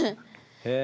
へえ。